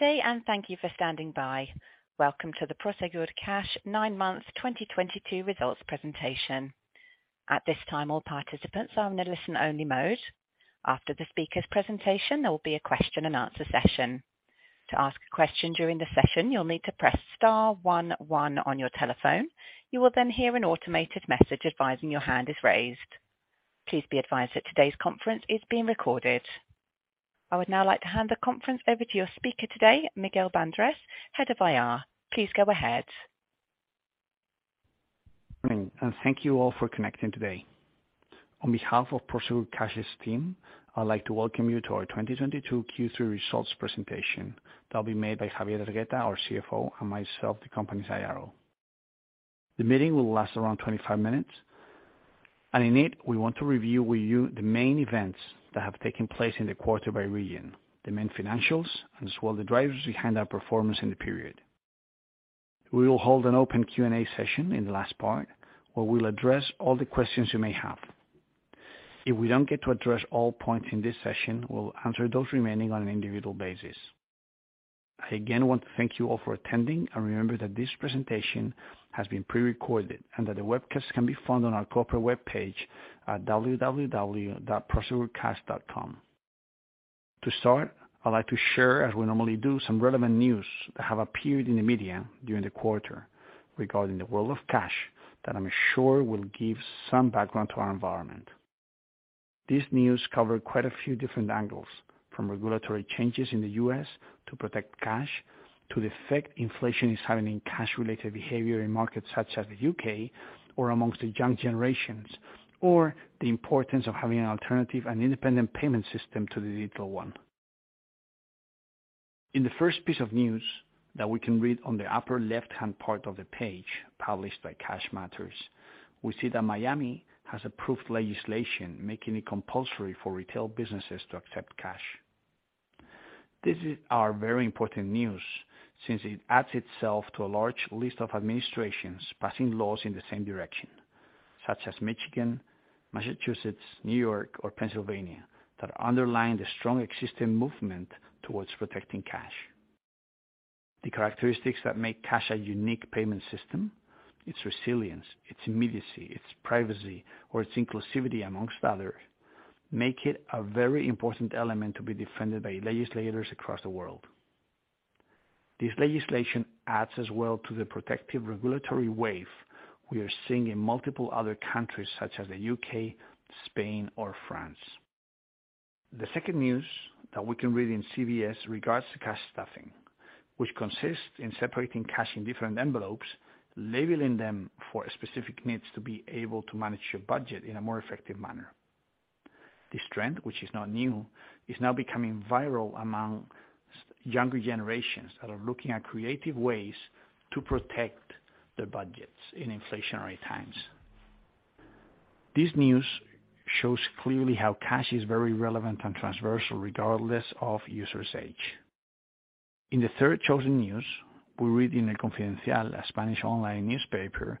Good day, thank you for standing by. Welcome to the Prosegur Cash nine months 2022 results presentation. At this time, all participants are in a listen only mode. After the speaker's presentation, there will be a question and answer session. To ask a question during the session, you'll need to press star one one on your telephone. You will then hear an automated message advising your hand is raised. Please be advised that today's conference is being recorded. I would now like to hand the conference over to your speaker today, Miguel Bandrés, Head of IR. Please go ahead. Thank you all for connecting today. On behalf of Prosegur Cash's team, I'd like to welcome you to our 2022 Q3 results presentation that will be made by Javier Hergueta, our CFO, and myself, the company's IRO. The meeting will last around 25 minutes, and in it, we want to review with you the main events that have taken place in the quarter by region, the main financials, and as well the drivers behind our performance in the period. We will hold an open Q&A session in the last part where we'll address all the questions you may have. If we don't get to address all points in this session, we'll answer those remaining on an individual basis. I again want to thank you all for attending, and remember that this presentation has been prerecorded and that the webcast can be found on our corporate web page at www.prosegurcash.com. To start, I'd like to share, as we normally do, some relevant news that have appeared in the media during the quarter regarding the world of cash that I'm sure will give some background to our environment. These news cover quite a few different angles, from regulatory changes in the U.S. to protect cash, to the effect inflation is having in cash-related behavior in markets such as the U.K. or amongst the young generations, or the importance of having an alternative and independent payment system to the digital one. In the first piece of news that we can read on the upper left-hand part of the page, published by Cash Matters, we see that Miami has approved legislation making it compulsory for retail businesses to accept cash. This is our very important news since it adds itself to a large list of administrations passing laws in the same direction, such as Michigan, Massachusetts, New York or Pennsylvania, that underline the strong existing movement towards protecting cash. The characteristics that make cash a unique payment system, its resilience, its immediacy, its privacy, or its inclusivity, among others, make it a very important element to be defended by legislators across the world. This legislation adds as well to the protective regulatory wave we are seeing in multiple other countries such as the U.K., Spain or France. The second news that we can read in CBS regards to cash stuffing, which consists in separating cash in different envelopes, labeling them for specific needs to be able to manage your budget in a more effective manner. This trend, which is not new, is now becoming viral among younger generations that are looking at creative ways to protect their budgets in inflationary times. This news shows clearly how cash is very relevant and transversal, regardless of users' age. In the third chosen news, we read in El Confidencial, a Spanish online newspaper,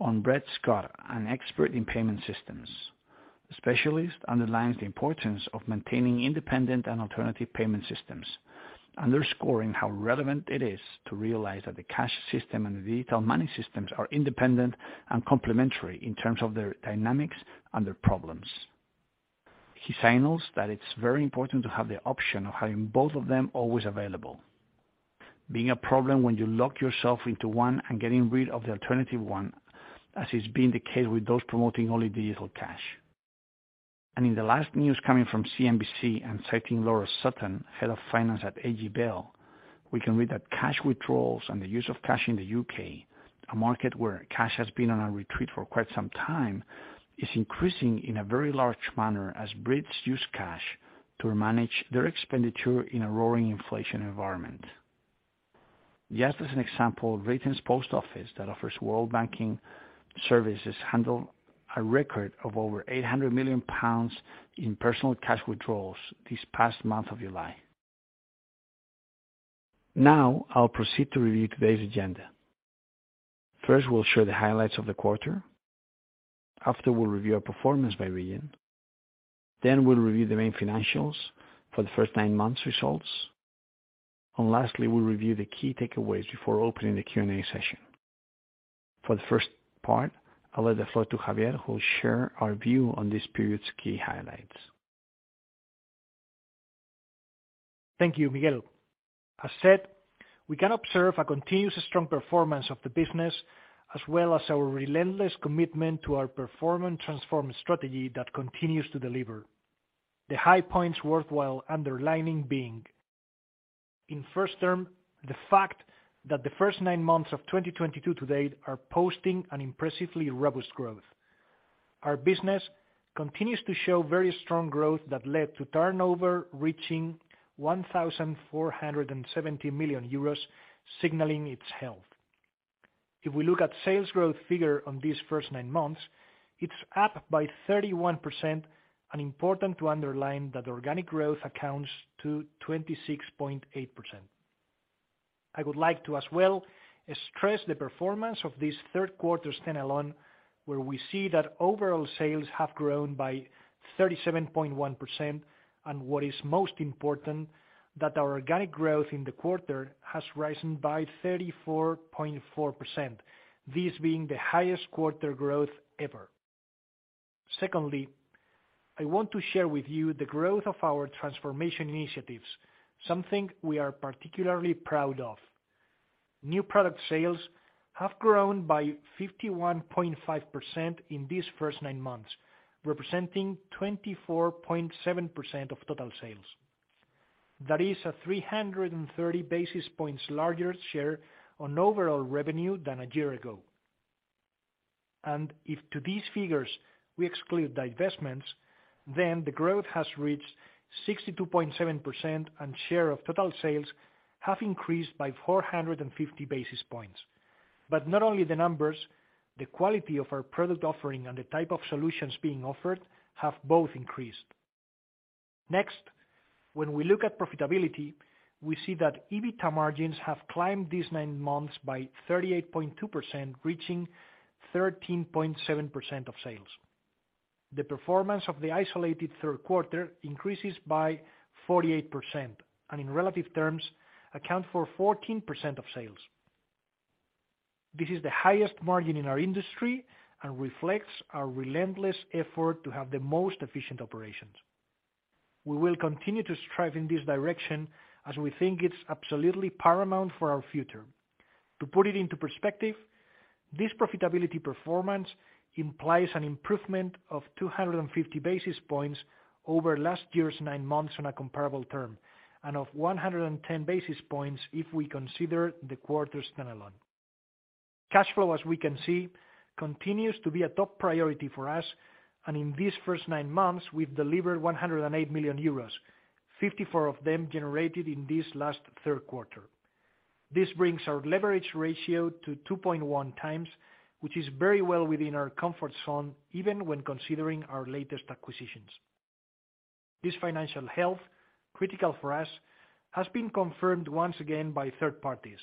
on Brett Scott, an expert in payment systems. The specialist underlines the importance of maintaining independent and alternative payment systems, underscoring how relevant it is to realize that the cash system and the digital money systems are independent and complementary in terms of their dynamics and their problems. He signals that it's very important to have the option of having both of them always available. Being a problem when you lock yourself into one and getting rid of the alternative one, as has been the case with those promoting only digital cash. In the last news coming from CNBC and citing Laura Suter, Head of Finance at AJ Bell, we can read that cash withdrawals and the use of cash in the U.K., a market where cash has been on a retreat for quite some time, is increasing in a very large manner as Brits use cash to manage their expenditure in a roaring inflation environment. Just as an example, Britain's Post Office that offers world banking services handle a record of over 800 million pounds in personal cash withdrawals this past month of July. Now, I'll proceed to review today's agenda. First, we'll share the highlights of the quarter. After, we'll review our performance by region. We'll review the main financials for the first nine months results. Lastly, we'll review the key takeaways before opening the Q&A session. For the first part, I'll give the floor to Javier, who will share our view on this period's key highlights. Thank you, Miguel. As said, we can observe a continuous strong performance of the business, as well as our relentless commitment to our Perform & Transform strategy that continues to deliver. The high points worthwhile underlining being, in the first place, the fact that the first nine months of 2022 to date are posting an impressively robust growth. Our business continues to show very strong growth that led to turnover reaching 1,470 million euros, signaling its health. If we look at sales growth figure on these first nine months, it's up by 31% and important to underline that organic growth accounts for 26.8%. I would like to as well stress the performance of this third quarter standalone, where we see that overall sales have grown by 37.1%, and what is most important, that our organic growth in the quarter has risen by 34.4%, this being the highest quarter growth ever. Secondly, I want to share with you the growth of our transformation initiatives, something we are particularly proud of. New product sales have grown by 51.5% in these first nine months, representing 24.7% of total sales. That is a 330 basis points larger share on overall revenue than a year ago. If to these figures we exclude divestments, then the growth has reached 62.7% and share of total sales have increased by 450 basis points. not only the numbers, the quality of our product offering and the type of solutions being offered have both increased. Next, when we look at profitability, we see that EBITA margins have climbed these nine months by 38.2%, reaching 13.7% of sales. The performance of the isolated third quarter increases by 48%, and in relative terms, account for 14% of sales. This is the highest margin in our industry and reflects our relentless effort to have the most efficient operations. We will continue to strive in this direction as we think it's absolutely paramount for our future. To put it into perspective, this profitability performance implies an improvement of 250 basis points over last year's nine months on a comparable term, and of 110 basis points if we consider the quarter standalone. Cash flow, as we can see, continues to be a top priority for us, and in these first nine months, we've delivered 108 million euros, 54 of them generated in this last third quarter. This brings our leverage ratio to 2.1x, which is very well within our comfort zone, even when considering our latest acquisitions. This financial health, critical for us, has been confirmed once again by third parties.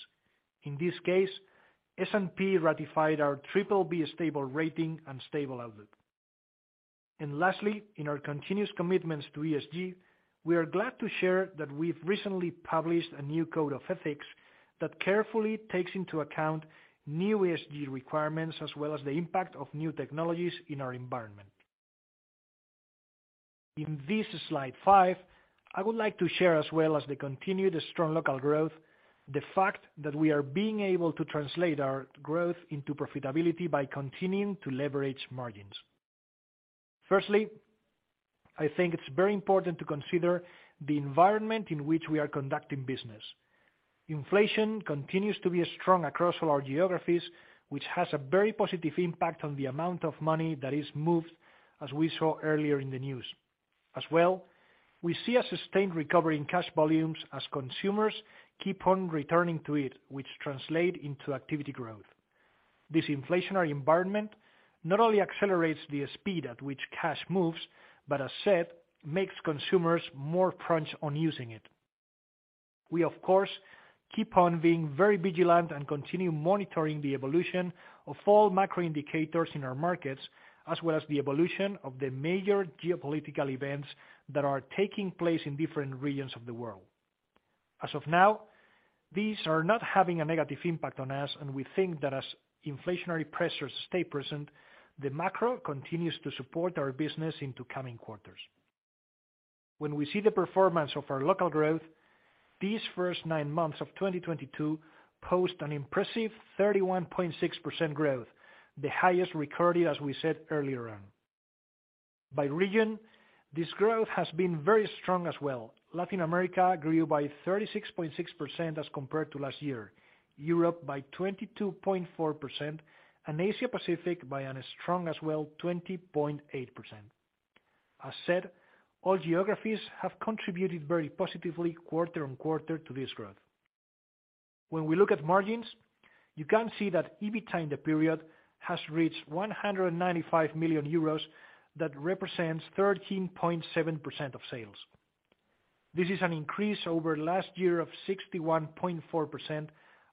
In this case, S&P ratified our triple B stable rating and stable outlook. Lastly, in our continuous commitments to ESG, we are glad to share that we've recently published a new code of ethics that carefully takes into account new ESG requirements as well as the impact of new technologies in our environment. In this slide five, I would like to share as well as the continued strong local growth, the fact that we are being able to translate our growth into profitability by continuing to leverage margins. Firstly, I think it's very important to consider the environment in which we are conducting business. Inflation continues to be strong across all our geographies, which has a very positive impact on the amount of money that is moved, as we saw earlier in the news. As well, we see a sustained recovery in cash volumes as consumers keep on returning to it, which translate into activity growth. This inflationary environment not only accelerates the speed at which cash moves, but as said, makes consumers more crunch on using it. We of course keep on being very vigilant and continue monitoring the evolution of all macro indicators in our markets, as well as the evolution of the major geopolitical events that are taking place in different regions of the world. As of now, these are not having a negative impact on us, and we think that as inflationary pressures stay present, the macro continues to support our business into coming quarters. When we see the performance of our local growth, these first nine months of 2022 post an impressive 31.6% growth, the highest recorded, as we said earlier on. By region, this growth has been very strong as well. Latin America grew by 36.6% as compared to last year, Europe by 22.4%, and Asia-Pacific by a strong as well, 20.8%. As said, all geographies have contributed very positively quarter-on-quarter to this growth. When we look at margins, you can see that EBITA in the period has reached 195 million euros. That represents 13.7% of sales. This is an increase over last year of 61.4%,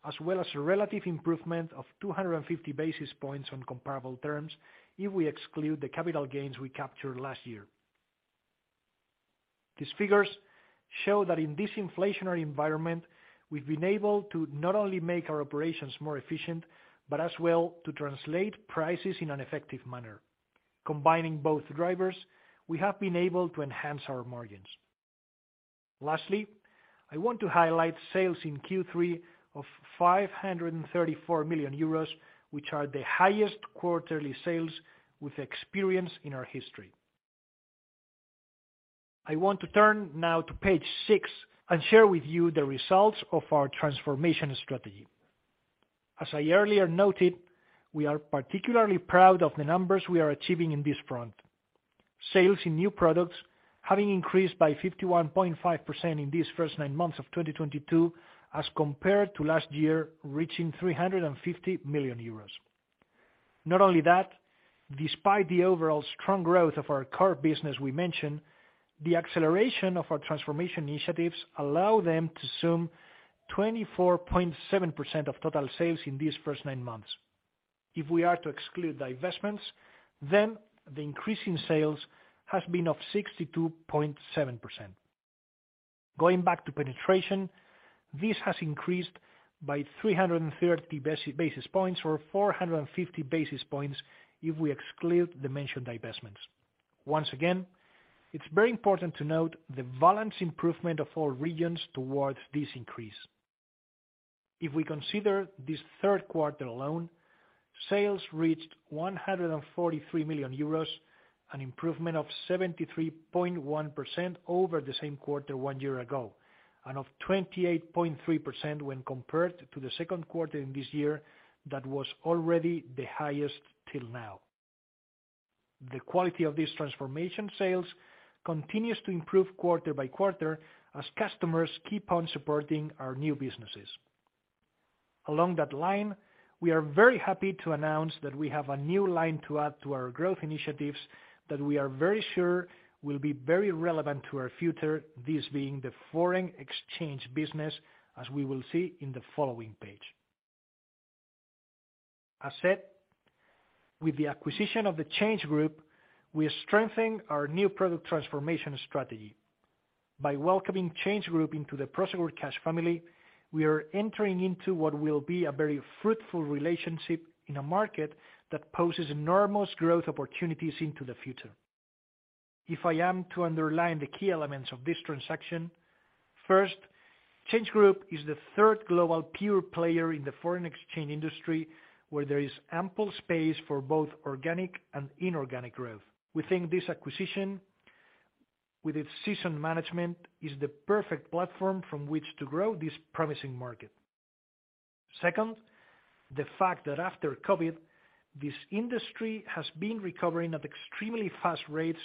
as well as a relative improvement of 250 basis points on comparable terms if we exclude the capital gains we captured last year. These figures show that in this inflationary environment, we've been able to not only make our operations more efficient, but as well to translate prices in an effective manner. Combining both drivers, we have been able to enhance our margins. Lastly, I want to highlight sales in Q3 of 534 million euros, which are the highest quarterly sales we've experienced in our history. I want to turn now to page six and share with you the results of our transformation strategy. As I earlier noted, we are particularly proud of the numbers we are achieving in this front. Sales in new products having increased by 51.5% in these first nine months of 2022 as compared to last year, reaching 350 million euros. Not only that, despite the overall strong growth of our core business we mentioned, the acceleration of our transformation initiatives allow them to sum 24.7% of total sales in these first nine months. If we are to exclude divestments, then the increase in sales has been of 62.7%. Going back to penetration, this has increased by 330 basis points or 450 basis points if we exclude the mentioned divestments. Once again, it's very important to note the balanced improvement of all regions towards this increase. If we consider this third quarter alone, sales reached 143 million euros, an improvement of 73.1% over the same quarter one year ago, and of 28.3% when compared to the second quarter in this year, that was already the highest till now. The quality of this transformation sales continues to improve quarter by quarter as customers keep on supporting our new businesses. Along that line, we are very happy to announce that we have a new line to add to our growth initiatives that we are very sure will be very relevant to our future, this being the foreign exchange business, as we will see in the following page. As said, with the acquisition of the ChangeGroup, we are strengthening our new product transformation strategy. By welcoming ChangeGroup into the Prosegur Cash family, we are entering into what will be a very fruitful relationship in a market that poses enormous growth opportunities into the future. If I am to underline the key elements of this transaction, first, ChangeGroup is the third global pure player in the foreign exchange industry, where there is ample space for both organic and inorganic growth. We think this acquisition, with its seasoned management, is the perfect platform from which to grow this promising market. Second, the fact that after COVID, this industry has been recovering at extremely fast rates,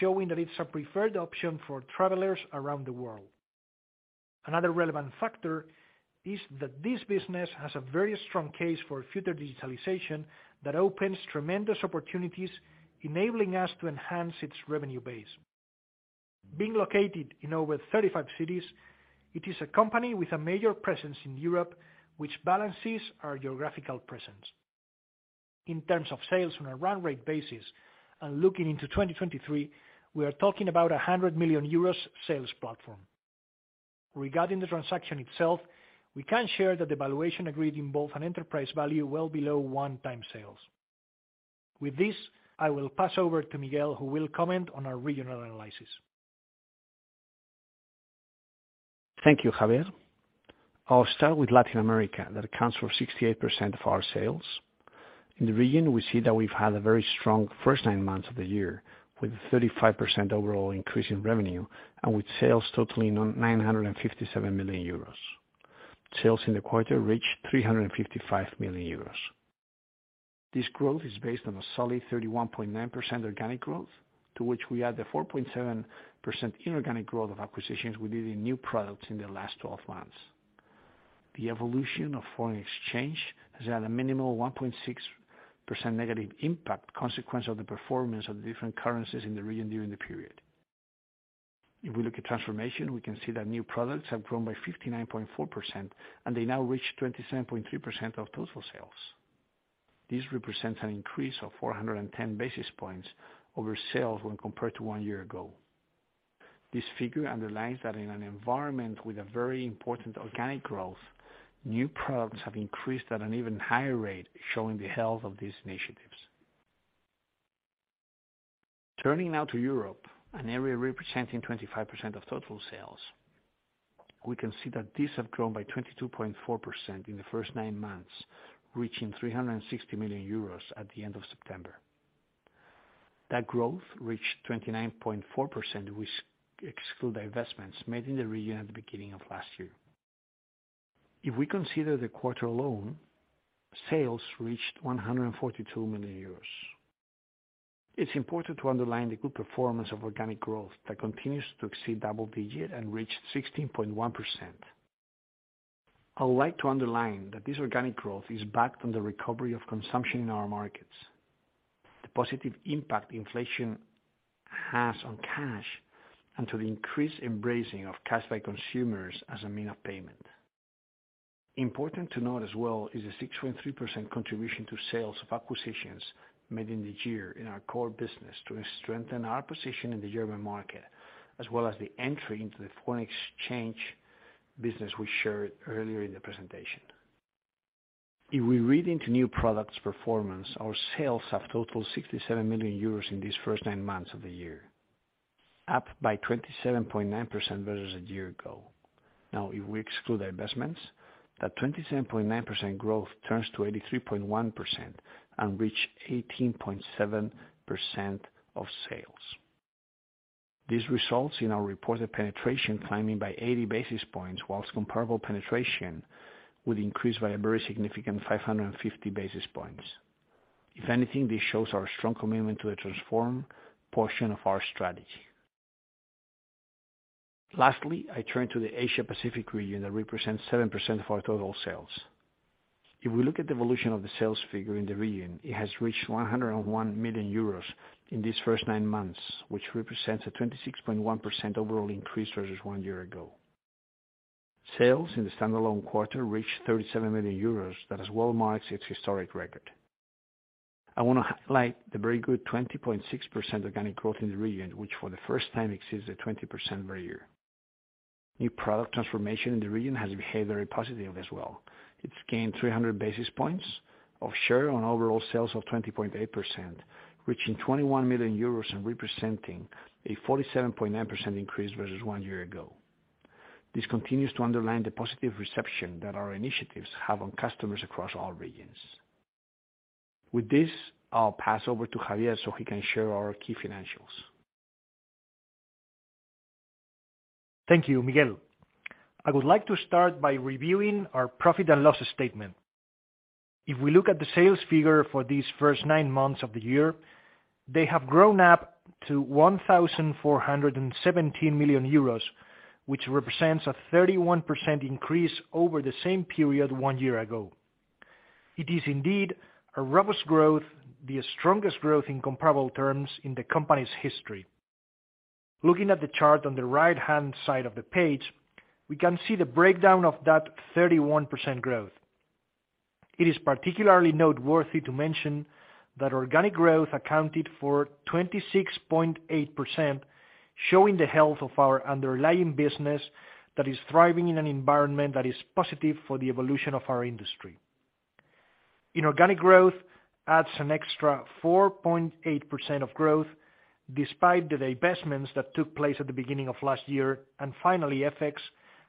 showing that it's a preferred option for travelers around the world. Another relevant factor is that this business has a very strong case for future digitalization that opens tremendous opportunities, enabling us to enhance its revenue base. Being located in over 35 cities, it is a company with a major presence in Europe, which balances our geographical presence. In terms of sales on a run rate basis and looking into 2023, we are talking about a 100 million euros sales platform. Regarding the transaction itself, we can share that the valuation agreed involves an enterprise value well below 1x sales. With this, I will pass over to Miguel Bandrés, who will comment on our regional analysis. Thank you, Javier. I'll start with Latin America. That accounts for 68% of our sales. In the region, we see that we've had a very strong first nine months of the year with 35% overall increase in revenue and with sales totaling 957 million euros. Sales in the quarter reached 355 million euros. This growth is based on a solid 31.9% organic growth, to which we add the 4.7% inorganic growth of acquisitions we did in new products in the last twelve months. The evolution of foreign exchange has had a minimal 1.6% negative impact, consequence of the performance of the different currencies in the region during the period. If we look at transformation, we can see that new products have grown by 59.4%, and they now reach 27.3% of total sales. This represents an increase of 410 basis points over sales when compared to one year ago. This figure underlines that in an environment with a very important organic growth, new products have increased at an even higher rate, showing the health of these initiatives. Turning now to Europe, an area representing 25% of total sales, we can see that these have grown by 22.4% in the first nine months, reaching 360 million euros at the end of September. That growth reached 29.4%, which exclude the investments made in the region at the beginning of last year. If we consider the quarter alone, sales reached 142 million euros. It's important to underline the good performance of organic growth that continues to exceed double-digit and reach 16.1%. I would like to underline that this organic growth is backed on the recovery of consumption in our markets, the positive impact inflation has on cash, and to the increased embracing of cash by consumers as a means of payment. Important to note as well is the 6.3% contribution to sales of acquisitions made in the year in our core business to strengthen our position in the German market, as well as the entry into the foreign exchange business we shared earlier in the presentation. If we read into new products performance, our sales have totaled 67 million euros in these first nine months of the year, up by 27.9% versus a year ago. Now, if we exclude investments, that 27.9% growth turns to 83.1% and reach 18.7% of sales. This results in our reported penetration climbing by 80 basis points, while comparable penetration would increase by a very significant 550 basis points. If anything, this shows our strong commitment to the transformation portion of our strategy. Lastly, I turn to the Asia Pacific region that represents 7% of our total sales. If we look at the evolution of the sales figure in the region, it has reached 101 million euros in these first nine months, which represents a 26.1% overall increase versus one year ago. Sales in the standalone quarter reached 37 million euros. That as well marks its historic record. I want to highlight the very good 20.6% organic growth in the region, which for the first time exceeds the 20% per year. New product transformation in the region has behaved very positively as well. It's gained three hundred basis points of share on overall sales of 20.8%, reaching 21 million euros and representing a 47.9% increase versus one year ago. This continues to underline the positive reception that our initiatives have on customers across all regions. With this, I'll pass over to Javier so he can share our key financials. Thank you, Miguel. I would like to start by reviewing our profit and loss statement. If we look at the sales figure for these first nine months of the year, they have grown up to 1,417 million euros, which represents a 31% increase over the same period one year ago. It is indeed a robust growth, the strongest growth in comparable terms in the company's history. Looking at the chart on the right-hand side of the page, we can see the breakdown of that 31% growth. It is particularly noteworthy to mention that organic growth accounted for 26.8%, showing the health of our underlying business that is thriving in an environment that is positive for the evolution of our industry. Inorganic growth adds an extra 4.8% of growth despite the divestments that took place at the beginning of last year, and finally, FX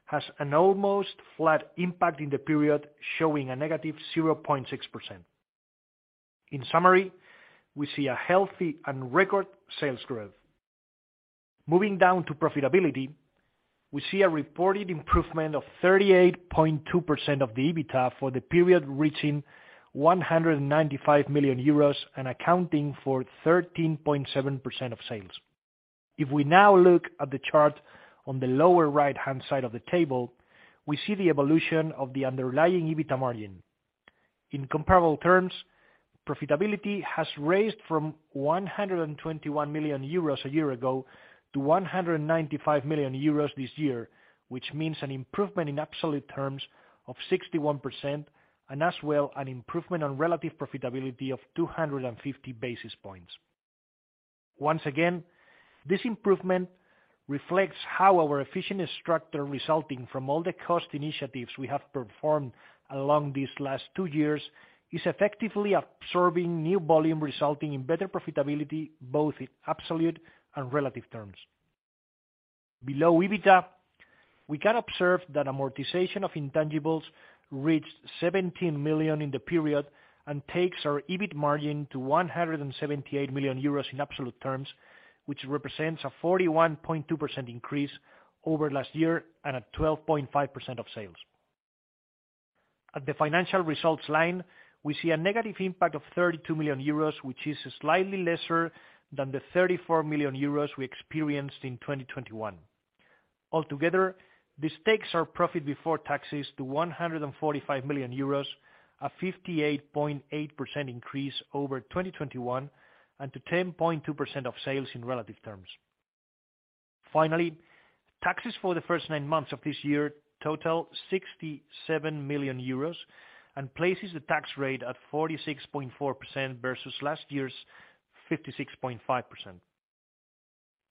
has an almost flat impact in the period, showing a negative 0.6%. In summary, we see a healthy and record sales growth. Moving down to profitability, we see a reported improvement of 38.2% of the EBITDA for the period reaching 195 million euros and accounting for 13.7% of sales. If we now look at the chart on the lower right-hand side of the table, we see the evolution of the underlying EBITDA margin. In comparable terms, profitability has raised from 121 million euros a year ago to 195 million euros this year, which means an improvement in absolute terms of 61% and as well an improvement on relative profitability of 250 basis points. Once again, this improvement reflects how our efficient structure resulting from all the cost initiatives we have performed along these last two years is effectively absorbing new volume, resulting in better profitability, both in absolute and relative terms. Below EBITDA, we can observe that amortization of intangibles reached 17 million in the period and takes our EBIT margin to 178 million euros in absolute terms, which represents a 41.2% increase over last year and a 12.5% of sales. At the financial results line, we see a negative impact of 32 million euros, which is slightly lesser than the 34 million euros we experienced in 2021. Altogether, this takes our profit before taxes to 145 million euros, a 58.8% increase over 2021 and to 10.2% of sales in relative terms. Finally, taxes for the first nine months of this year total 67 million euros and places the tax rate at 46.4% versus last year's 56.5%.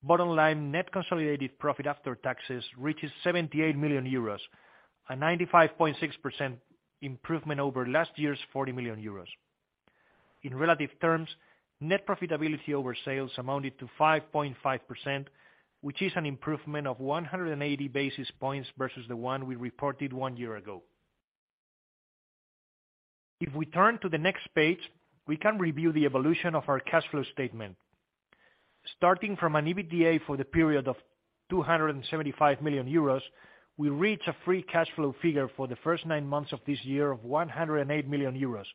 Bottom line, net consolidated profit after taxes reaches 78 million euros, a 95.6% improvement over last year's 40 million euros. In relative terms, net profitability over sales amounted to 5.5%, which is an improvement of 180 basis points versus the one we reported one year ago. If we turn to the next page, we can review the evolution of our cash flow statement. Starting from an EBITDA for the period of 275 million euros, we reach a free cash flow figure for the first nine months of this year of 108 million euros,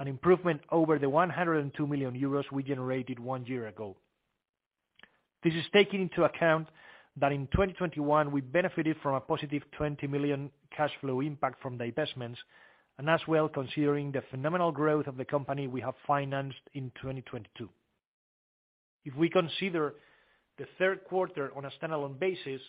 an improvement over the 102 million euros we generated one year ago. This is taking into account that in 2021, we benefited from a positive 20 million cash flow impact from divestments and, as well, considering the phenomenal growth of the company we have financed in 2022. If we consider the third quarter on a standalone basis,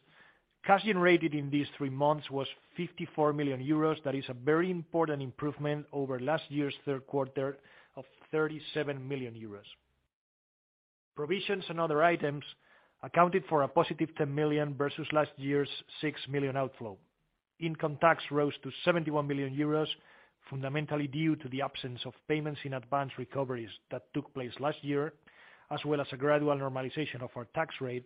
cash generated in these three months was 54 million euros. That is a very important improvement over last year's third quarter of 37 million euros. Provisions and other items accounted for a positive 10 million versus last year's 6 million outflow. Income tax rose to 71 million euros, fundamentally due to the absence of payments in advanced recoveries that took place last year, as well as a gradual normalization of our tax rate.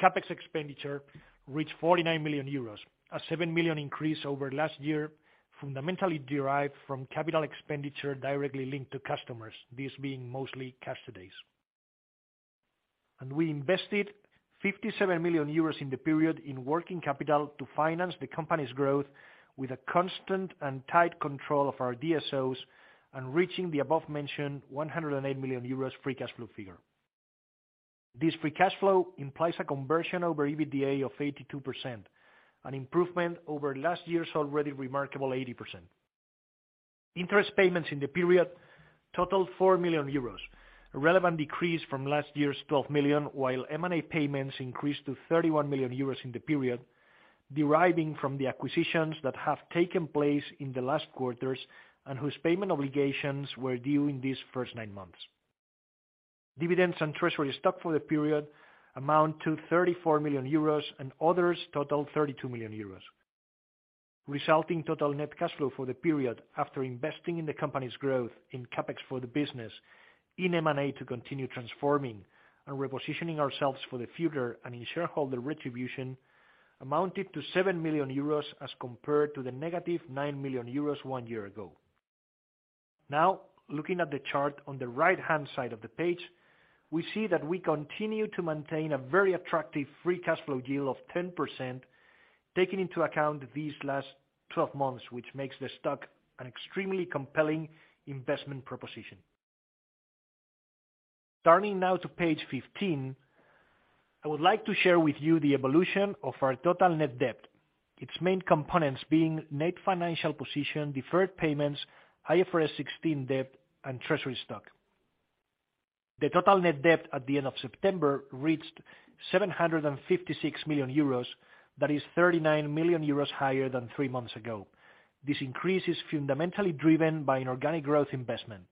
CapEx expenditure reached 49 million euros, a 7 million increase over last year, fundamentally derived from capital expenditure directly linked to customers, this being mostly casualties. We invested 57 million euros in the period in working capital to finance the company's growth with a constant and tight control of our DSOs and reaching the above-mentioned 108 million euros free cash flow figure. This free cash flow implies a conversion over EBITDA of 82%, an improvement over last year's already remarkable 80%. Interest payments in the period totaled 4 million euros, a relevant decrease from last year's 12 million, while M&A payments increased to 31 million euros in the period, deriving from the acquisitions that have taken place in the last quarters and whose payment obligations were due in these first nine months. Dividends and treasury stock for the period amount to 34 million euros, and others totaled 32 million euros, resulting total net cash flow for the period after investing in the company's growth in CapEx for the business, in M&A to continue transforming and repositioning ourselves for the future, and in shareholder remuneration amounted to 7 million euros as compared to the -9 million euros one year ago. Now, looking at the chart on the right-hand side of the page, we see that we continue to maintain a very attractive free cash flow yield of 10%, taking into account these last 12 months, which makes the stock an extremely compelling investment proposition. Turning now to page 15, I would like to share with you the evolution of our total net debt, its main components being net financial position, deferred payments, IFRS 16 debt, and treasury stock. The total net debt at the end of September reached 756 million euros. That is 39 million euros higher than three months ago. This increase is fundamentally driven by an organic growth investment.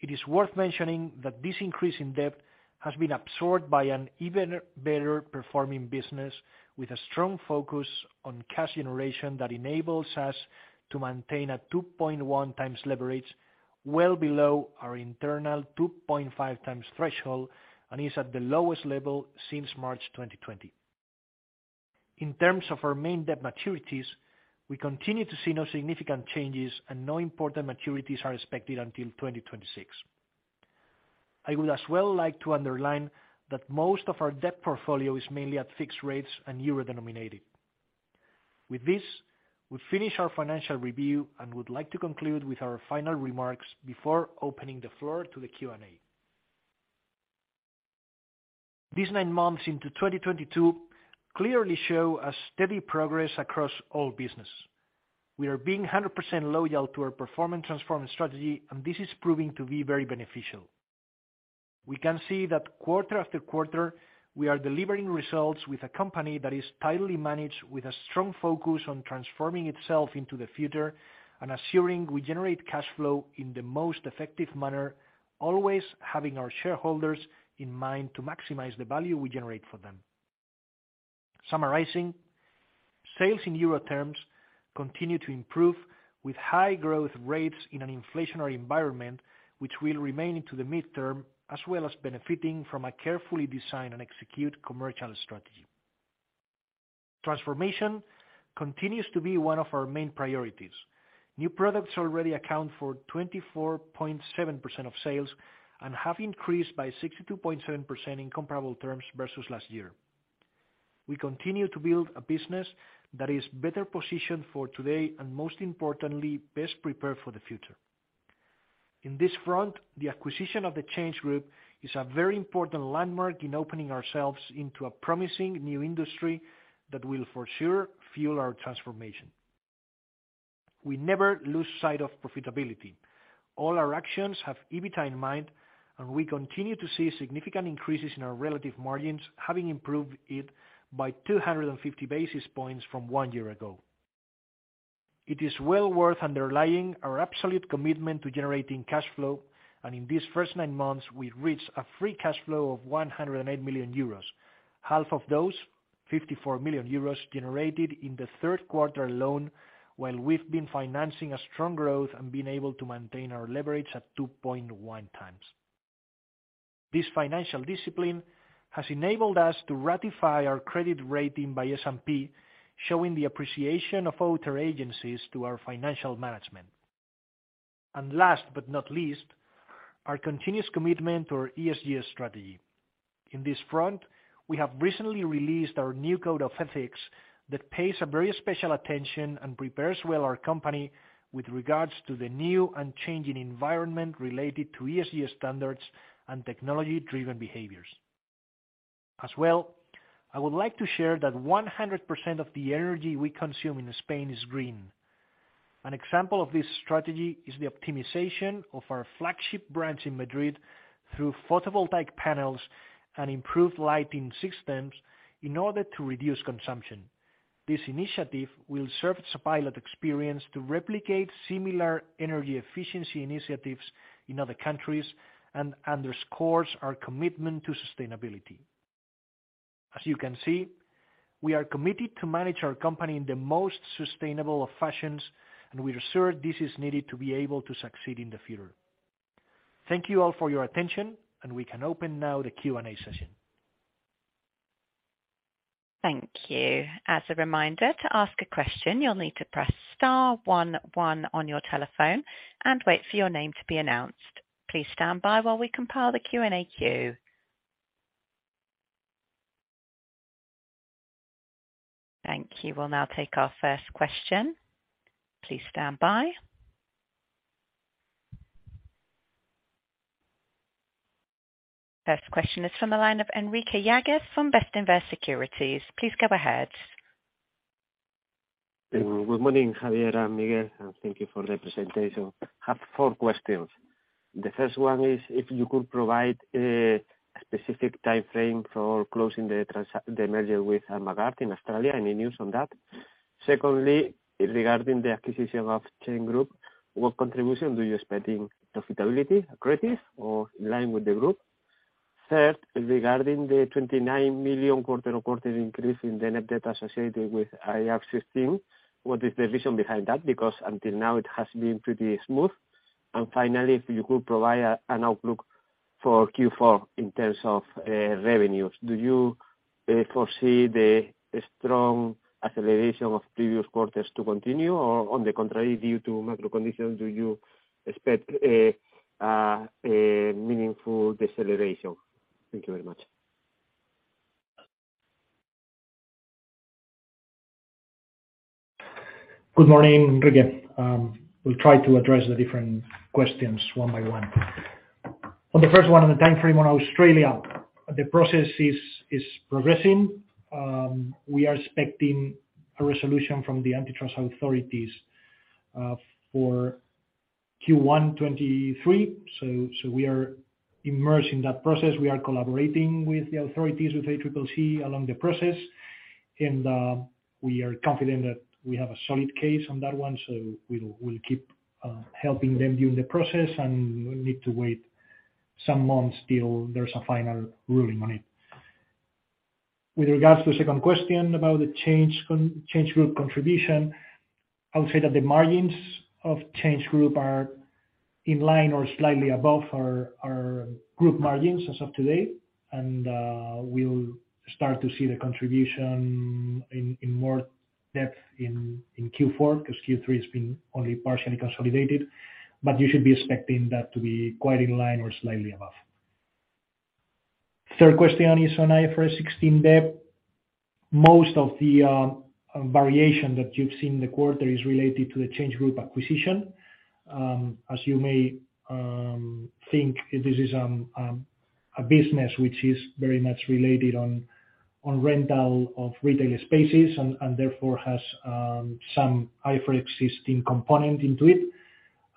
It is worth mentioning that this increase in debt has been absorbed by an even better performing business with a strong focus on cash generation that enables us to maintain a 2.1x leverage well below our internal 2.5x threshold and is at the lowest level since March 2020. In terms of our main debt maturities, we continue to see no significant changes and no important maturities are expected until 2026. I would as well like to underline that most of our debt portfolio is mainly at fixed rates and euro denominated. With this, we finish our financial review and would like to conclude with our final remarks before opening the floor to the Q&A. These nine months into 2022 clearly show a steady progress across all business. We are 100% loyal to our performance transformation strategy, and this is proving to be very beneficial. We can see that quarter after quarter, we are delivering results with a company that is tightly managed with a strong focus on transforming itself into the future and assuring we generate cash flow in the most effective manner, always having our shareholders in mind to maximize the value we generate for them. Summarizing, sales in EUR terms continue to improve with high growth rates in an inflationary environment, which will remain into the midterm, as well as benefiting from a carefully designed and executed commercial strategy. Transformation continues to be one of our main priorities. New products already account for 24.7% of sales and have increased by 62.7% in comparable terms versus last year. We continue to build a business that is better positioned for today and most importantly, best prepared for the future. In this front, the acquisition of ChangeGroup is a very important landmark in opening ourselves into a promising new industry that will for sure fuel our transformation. We never lose sight of profitability. All our actions have EBITDA in mind, and we continue to see significant increases in our relative margins, having improved it by 250 basis points from one year ago. It is well worth underlining our absolute commitment to generating cash flow, and in these first nine months, we've reached a free cash flow of 108 million euros. Half of those, 54 million euros, generated in the third quarter alone, while we've been financing a strong growth and being able to maintain our leverage at 2.1x. This financial discipline has enabled us to ratify our credit rating by S&P, showing the appreciation of outer agencies to our financial management. Last but not least, our continuous commitment to our ESG strategy. In this front, we have recently released our new code of ethics that pays a very special attention and prepares well our company with regards to the new and changing environment related to ESG standards and technology-driven behaviors. As well, I would like to share that 100% of the energy we consume in Spain is green. An example of this strategy is the optimization of our flagship branch in Madrid through photovoltaic panels and improved lighting systems in order to reduce consumption. This initiative will serve as a pilot experience to replicate similar energy efficiency initiatives in other countries and underscores our commitment to sustainability. As you can see, we are committed to manage our company in the most sustainable of fashions, and we are sure this is needed to be able to succeed in the future. Thank you all for your attention, and we can open now the Q&A session. Thank you. As a reminder, to ask a question, you'll need to press star one one on your telephone and wait for your name to be announced. Please stand by while we compile the Q&A queue. Thank you. We'll now take our first question. Please stand by. First question is from the line of Enrique Yáguez from Bestinver Securities. Please go ahead. Good morning, Javier and Miguel, and thank you for the presentation. I have four questions. The first one is if you could provide a specific timeframe for closing the merger with Armaguard in Australia. Any news on that? Secondly, regarding the acquisition of ChangeGroup, what contribution do you expect in profitability, accretive or in line with the group? Third, regarding the 29 million quarter-over-quarter increase in the net debt associated with IFRS 16, what is the vision behind that? Because until now it has been pretty smooth. Finally, if you could provide an outlook for Q4 in terms of revenues. Do you foresee the strong acceleration of previous quarters to continue? Or on the contrary, due to macro conditions, do you expect a meaningful deceleration? Thank you very much. Good morning, Enrique. We'll try to address the different questions one by one. On the first one, on the timeframe on Australia, the process is progressing. We are expecting a resolution from the antitrust authorities for Q1 2023. We are immersed in that process. We are collaborating with the authorities, with ACCC along the process, and we are confident that we have a solid case on that one. We'll keep helping them during the process, and we need to wait some months till there's a final ruling on it. With regards to the second question about the ChangeGroup contribution, I would say that the margins of ChangeGroup are in line or slightly above our group margins as of today. We'll start to see the contribution in more depth in Q4, 'cause Q3 has been only partially consolidated. You should be expecting that to be quite in line or slightly above. Third question is on IFRS 16 debt. Most of the variation that you've seen in the quarter is related to the ChangeGroup acquisition. As you may think, this is a business which is very much reliant on rental of retail spaces and therefore has some IFRS 16 component in it.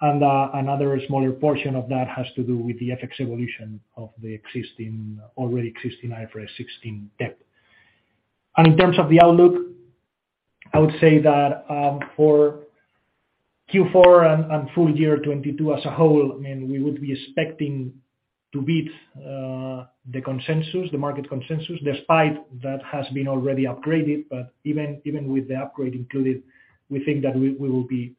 Another smaller portion of that has to do with the FX evolution of the existing IFRS 16 debt. In terms of the outlook, I would say that, for Q4 and full year 2022 as a whole, I mean, we would be expecting to beat the consensus, the market consensus, despite that has been already upgraded. Even with the upgrade included, we think that we will be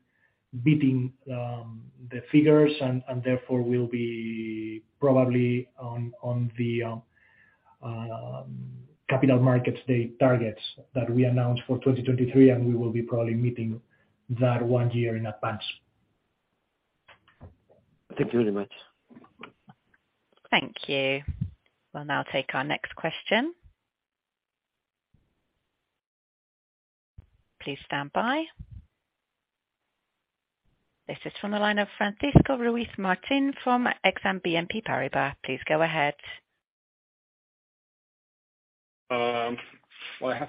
beating the figures and therefore we'll be probably on the capital markets, the targets that we announced for 2023, and we will be probably meeting that one year in advance. Thank you very much. Thank you. We'll now take our next question. Please stand by. This is from the line of Francisco Ruiz Martín from Exane BNP Paribas. Please go ahead. Well, I have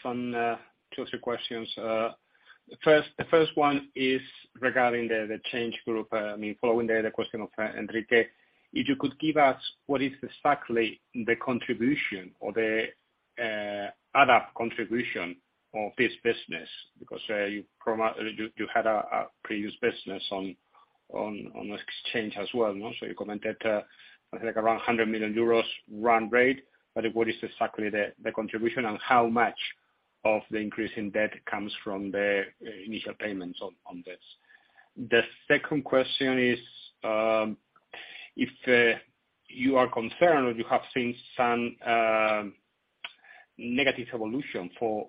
some two or three questions. The first one is regarding the ChangeGroup. I mean, following the question of Enrique, if you could give us what is exactly the contribution or the add-on contribution of this business. Because you had a previous business on exchange as well, no? So you commented like around 100 million euros run rate. But what is exactly the contribution and how much of the increase in debt comes from the initial payments on this? The second question is, if you are concerned or you have seen some negative evolution for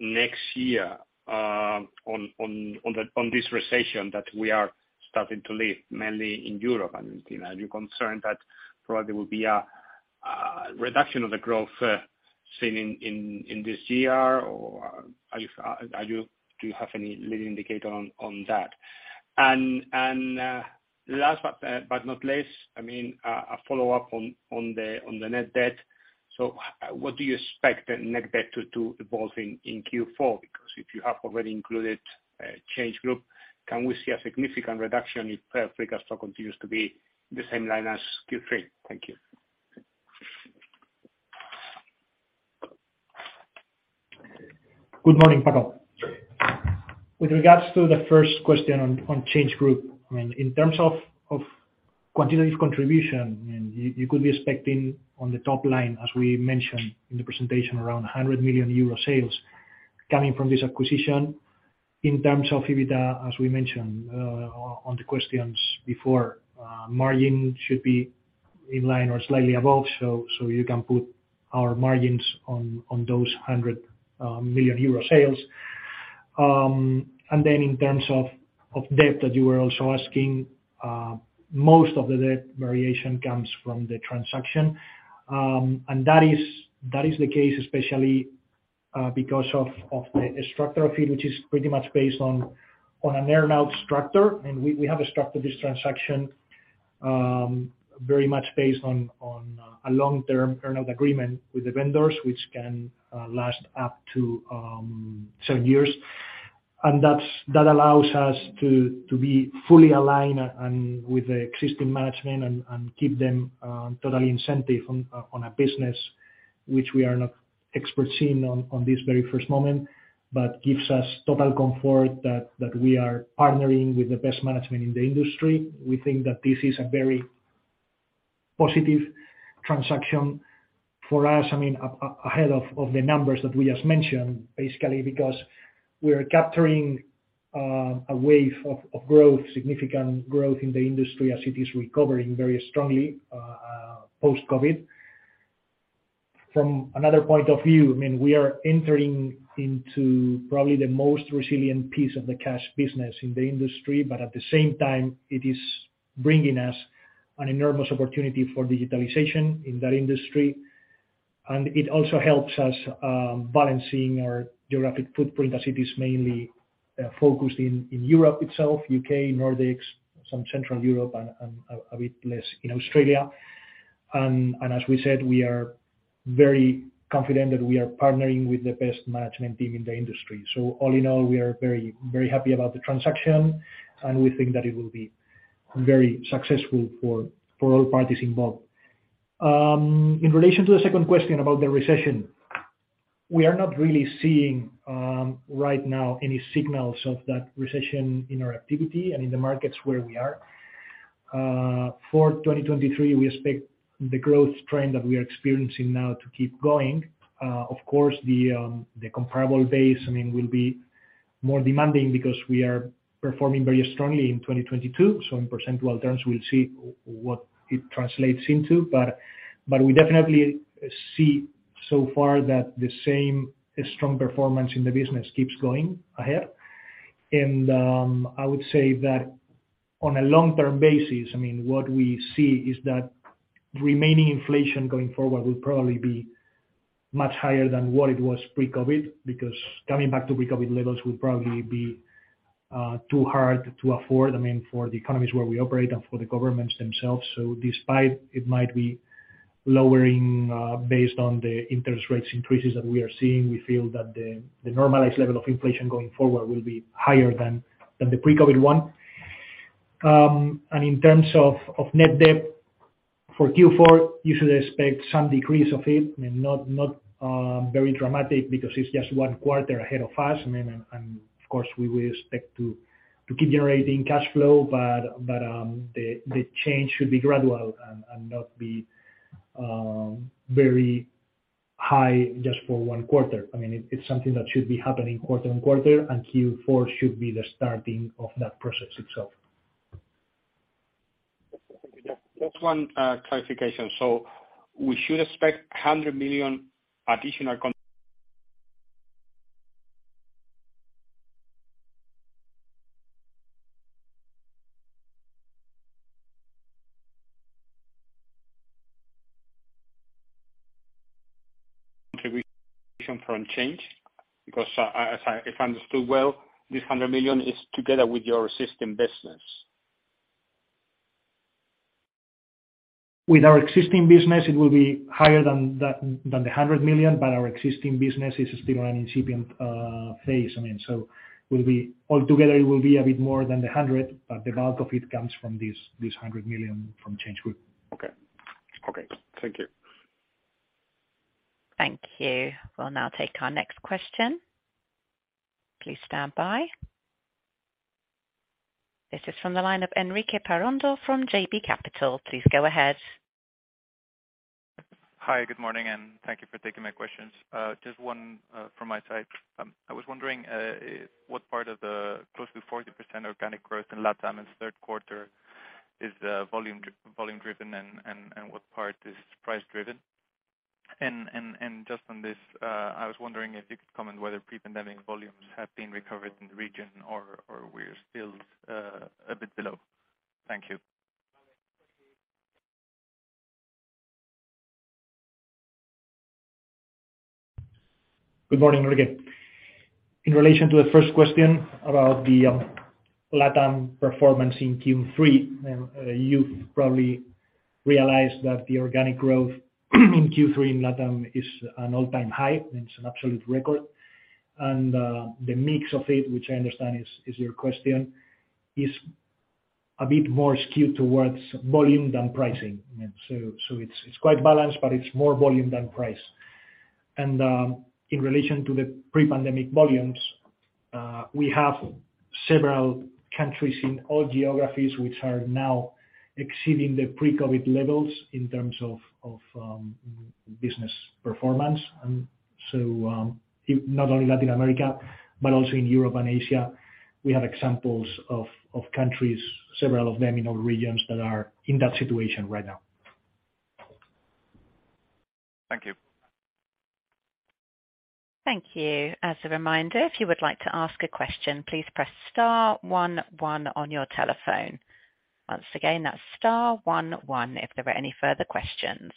next year on this recession that we are starting to live mainly in Europe. You know, are you concerned that probably will be a reduction of the growth seen in this year? Or do you have any leading indicator on that? Last but not least, I mean, a follow-up on the net debt. What do you expect the net debt to do evolving in Q4? Because if you have already included ChangeGroup, can we see a significant reduction if free cash flow continues to be the same line as Q3? Thank you. Good morning, Paco. With regards to the first question on ChangeGroup, I mean, in terms of quantitative contribution, you could be expecting on the top line, as we mentioned in the presentation, around 100 million euro sales coming from this acquisition. In terms of EBITDA, as we mentioned, on the questions before, margin should be in line or slightly above. You can put our margins on those 100 million euro sales. In terms of debt that you were also asking, most of the debt variation comes from the transaction. That is the case, especially because of the structure of it, which is pretty much based on an earn-out structure. We have structured this transaction very much based on a long-term earn-out agreement with the vendors which can last up to seven years. That allows us to be fully aligned and with the existing management and keep them totally incentive on a business which we are not experts in on this very first moment, but gives us total comfort that we are partnering with the best management in the industry. We think that this is a very positive transaction for us. I mean, ahead of the numbers that we just mentioned, basically because we are capturing a wave of growth, significant growth in the industry as it is recovering very strongly post-COVID. From another point of view, I mean, we are entering into probably the most resilient piece of the cash business in the industry. At the same time, it is bringing us an enormous opportunity for digitalization in that industry, and it also helps us balancing our geographic footprint as it is mainly focused in Europe itself, U.K., Nordics, some Central Europe and a bit less in Australia. As we said, we are very confident that we are partnering with the best management team in the industry. All in all, we are very, very happy about the transaction, and we think that it will be very successful for all parties involved. In relation to the second question about the recession. We are not really seeing right now any signals of that recession in our activity and in the markets where we are. For 2023, we expect the growth trend that we are experiencing now to keep going. Of course, the comparable base, I mean, will be more demanding because we are performing very strongly in 2022. In percentage terms we'll see what it translates into. We definitely see so far that the same strong performance in the business keeps going ahead. I would say that on a long-term basis, I mean, what we see is that remaining inflation going forward will probably be much higher than what it was pre-COVID, because coming back to pre-COVID levels will probably be too hard to afford. I mean, for the economies where we operate and for the governments themselves. Despite it might be lowering, based on the interest rates increases that we are seeing, we feel that the normalized level of inflation going forward will be higher than the pre-COVID one. In terms of net debt for Q4, you should expect some decrease of it. I mean, not very dramatic because it's just one quarter ahead of us. I mean, of course we will expect to keep generating cash flow. The change should be gradual and not be very high just for one quarter. I mean, it's something that should be happening quarter and quarter, and Q4 should be the starting of that process itself. Just one clarification. We should expect 100 million additional contribution from ChangeGroup? Because, as if I understood well, this 100 million is together with your existing business. With our existing business, it will be higher than the 100 million, but our existing business is still an incipient phase. I mean, altogether it will be a bit more than the 100 million, but the bulk of it comes from this 100 million from ChangeGroup. Okay. Thank you. Thank you. We'll now take our next question. Please stand by. This is from the line of Enrique Parrondo from JB Capital. Please go ahead. Hi. Good morning, and thank you for taking my questions. Just one from my side. I was wondering what part of the close to 40% organic growth in LatAm's third quarter is volume driven and what part is price driven? Just on this, I was wondering if you could comment whether pre-pandemic volumes have been recovered in the region or we're still a bit below. Thank you. Good morning, Enrique. In relation to the first question about the LATAM performance in Q3, you've probably realized that the organic growth in Q3 in LATAM is an all-time high and it's an absolute record. The mix of it, which I understand is your question, is a bit more skewed towards volume than pricing. It's quite balanced, but it's more volume than price. In relation to the pre-pandemic volumes, we have several countries in all geographies which are now exceeding the pre-COVID levels in terms of business performance. Not only Latin America, but also in Europe and Asia, we have examples of countries, several of them in all regions that are in that situation right now. Thank you. Thank you. As a reminder, if you would like to ask a question, please press star one one on your telephone. Once again, that's star one one, if there are any further questions.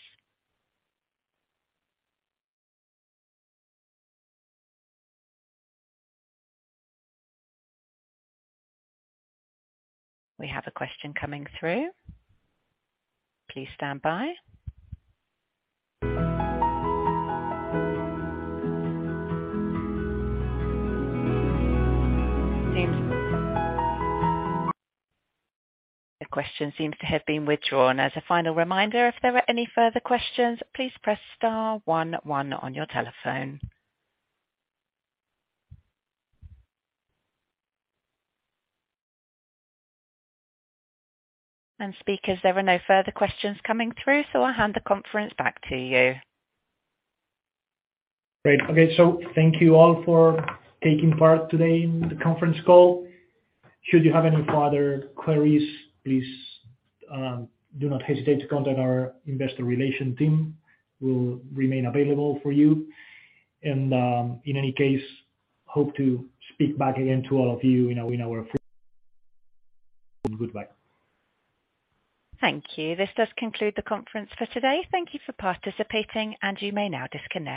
We have a question coming through. Please stand by. The question seems to have been withdrawn. As a final reminder, if there are any further questions, please press star one one on your telephone. Speakers, there are no further questions coming through, so I'll hand the conference back to you. Great. Okay. Thank you all for taking part today in the conference call. Should you have any further queries, please, do not hesitate to contact our Investor Relations team. We'll remain available for you. In any case, hope to speak back again to all of you in our fourth. Goodbye. Thank you. This does conclude the conference for today. Thank you for participating, and you may now disconnect.